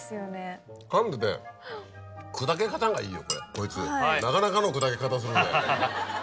こいつなかなかの砕け方する。